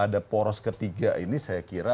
ada poros ketiga ini saya kira